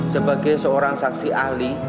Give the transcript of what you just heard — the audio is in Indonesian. sebagai seorang saksi ahli